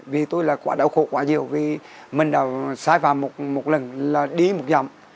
vì tôi là quá đau khổ quá nhiều vì mình đã sai phạm một lần là đi một giâm